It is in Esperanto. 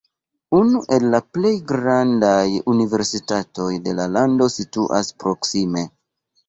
Unu el la plej grandaj universitatoj de la lando situas proksime.